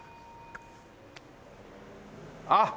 あっ！